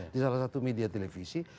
di salah satu media televisi